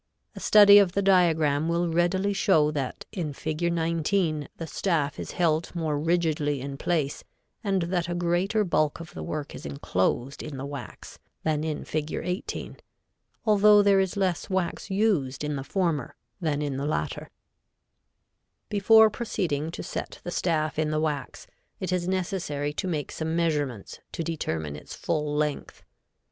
A study of the diagram will readily show that in Fig. 19 the staff is held more rigidly in place and that a greater bulk of the work is enclosed in the wax than in Fig. 18, although there is less wax used in the former than in the latter. [Illustration: Fig. 18.] [Illustration: Fig. 19.] Before proceeding to set the staff in the wax, it is necessary to make some measurements to determine its full length.